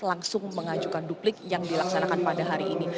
langsung mengajukan duplik yang dilaksanakan pada hari ini